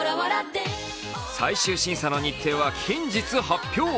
最終審査の日程は近日発表。